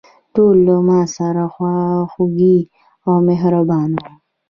ټول له ماسره خواخوږي او مهربانه وو.